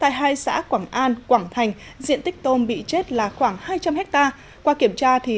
tại hai xã quảng an quảng thành diện tích tôm bị chết là khoảng hai trăm linh hectare qua kiểm tra